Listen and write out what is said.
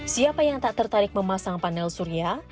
siapa yang tak tertarik memasang panel surya